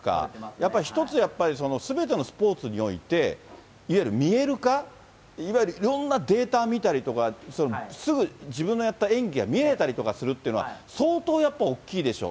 やっぱり一つ、やっぱりすべてのスポーツにおいて、いわゆる見える化、いわゆるいろんなデータ見たりとか、すぐ自分のやった演技が見えたりとかするっていうのは、相当やっぱり、大きいでしょう。